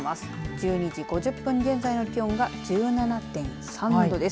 １２時５０分現在の気温が１７．３度です。